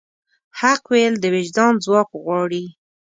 حق ویل د وجدان ځواک غواړي.